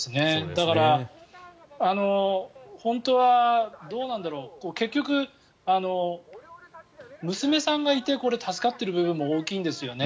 だから、本当はどうなんだろう結局、娘さんがいて助かっている部分も大きいんですよね。